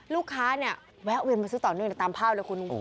ลูกค้าเนี่ยแวะเวียนมาซื้อต่อเนื่องตามภาพเลยคุณ